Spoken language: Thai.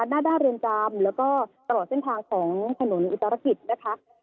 หน้าด้านเรือนจำแล้วก็ตลอดเส้นทางของถนนอุตรกิจนะคะ